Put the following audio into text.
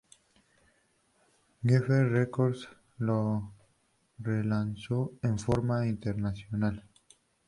Geffen Records lo relanzó en forma internacional.